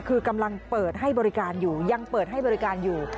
คือกำลังเปิดให้บริการอยู่ยังเปิดให้บริการอยู่